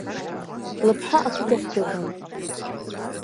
Лыԥҳа ақыҭахь дыҟан.